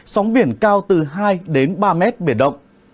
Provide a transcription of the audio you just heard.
sóng biển cao từ hai đến ba mét biển động